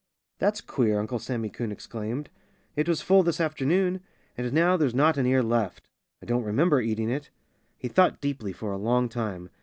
"That's queer!" Uncle Sammy Coon exclaimed. "It was full this afternoon. And now there's not an ear left. I don't remember eating it." He thought deeply for a long time.